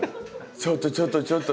ちょっとちょっとちょっと。